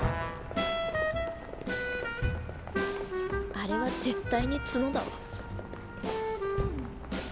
あれは絶対にツノだわ。